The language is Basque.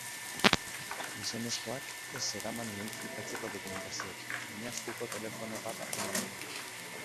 Gizonezkoak ez zeraman identifikatzeko dokumentaziorik, baina eskuko telefono bat atzeman diote.